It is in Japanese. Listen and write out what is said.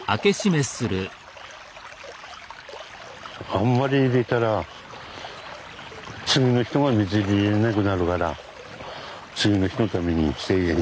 あんまり入れたら次の人が水入れれなくなるから次の人のために制限。